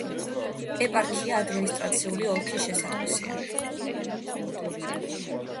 ეპარქია ადმინისტრაციული ოლქის შესატყვისია.